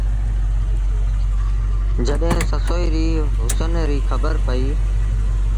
جڏهيݩ سسئيٚ ري هُسن ريٚ کبرپئيٚ۔